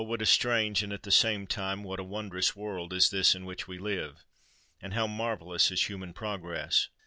what a strange, and, at the same time, what a wondrous world is this in which we live;—and how marvellous is human progress!